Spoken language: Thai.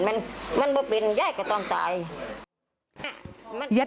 มันไม่เป็นแย่ก็ต้องตาย